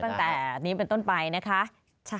ตั้งแต่นี้เป็นต้นไปนะคะ